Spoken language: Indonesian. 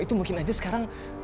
itu mungkin aja sekarang